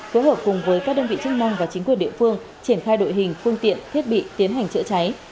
phối hợp cùng với các đơn vị chức năng và chính quyền địa phương triển khai đội hình phương tiện thiết bị tiến hành chữa cháy